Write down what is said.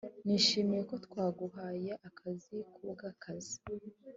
nishimiye ko twaguhaye akazi kubwakazi